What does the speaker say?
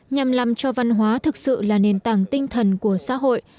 nhằm làm cho văn hóa thực sự là nền tảng tinh thần của xã hội